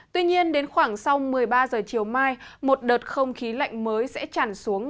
tuy nhiên đến khoảng sau một mươi ba h chiều mai một đợt không khí lạnh mới sẽ tràn xuống